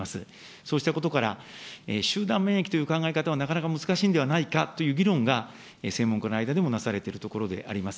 そうしたことから、集団免疫という考え方はなかなか難しいんではないかという議論が、専門家の間でもなされているところであります。